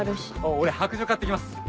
俺白杖買って来ます。